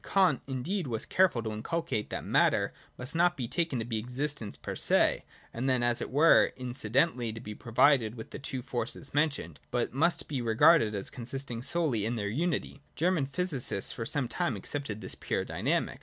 Kant indeed was careful to inculcate that Matter l84 THE DOCTRINE OF BEING. [98 must not be taken to be in existence per se, and then as it were incidentally to be provided with the two forces men tioned, but must be regarded as consisting solely in their unity. German physicists for some time accepted this pure dynamic.